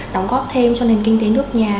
đóng góp thêm cho nền kinh tế nước nhà